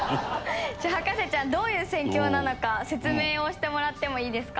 じゃあ博士ちゃんどういう戦況なのか説明をしてもらってもいいですか？